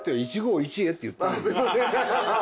すいません。